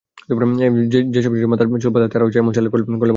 যেসব শিশুর মাথার চুল পাতলা, তারা এমন স্টাইল করলে ভালো দেখাবে।